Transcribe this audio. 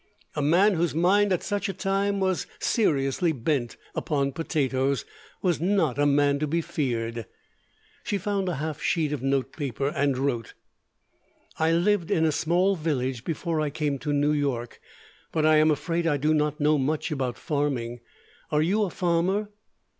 A man whose mind at such a time was seriously bent upon potatoes was not a man to be feared. She found a half sheet of note paper, and wrote: _I lived in a small village before I came to New York, but I am afraid I do not know much about farming. Are you a farmer?